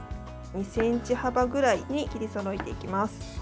２ｃｍ幅ぐらいに切りそろえていきます。